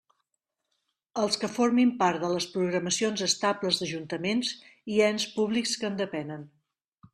Els que formin part de les programacions estables d'ajuntaments i ens públics que en depenen.